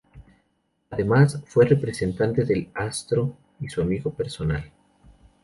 Además, fue representante del astro y su amigo personal.